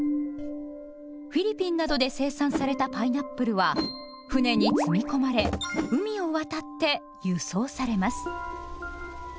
フィリピンなどで生産されたパイナップルは船に積み込まれ海を渡って「輸送」されます。